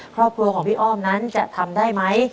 ครอบครัวของพี่อ้อมนั้นจะทำได้ไหม